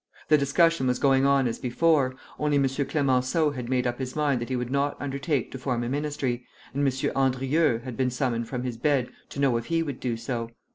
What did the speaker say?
The discussion was going on as before, only M. Clemenceau had made up his mind that he would not undertake to form a ministry, and M. Andrieux had been summoned from his bed to know if he would do so.